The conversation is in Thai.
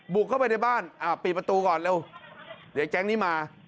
บุกเข้าไปในบ้านปิดประตูก่อนเร็วเดี๋ยวแก๊งนี้มา